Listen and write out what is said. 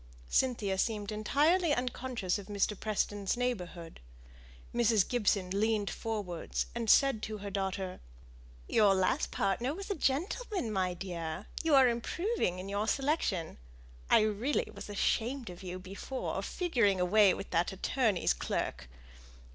Cynthia seemed entirely unconscious of Mr. Preston's neighbourhood. Mrs. Gibson leaned forwards, and said to her daughter, "Your last partner was a gentleman, my dear. You are improving in your selection. I really was ashamed of you before, figuring away with that attorney's clerk.